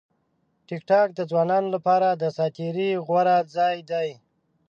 ټیکټاک د ځوانانو لپاره د ساعت تېري غوره ځای دی.